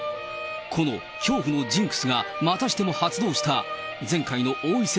この恐怖のジンクスがまたしても発動した、前回の王位戦